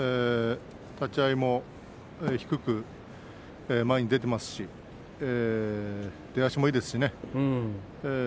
立ち合いも低く前に出ていますし出足もいいですしね。